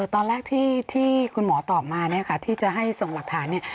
ตอนแรกที่คุณหมอตอบมาที่จะให้ส่งหลักฐานนี่